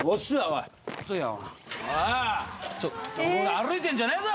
歩いてんじゃねぇぞ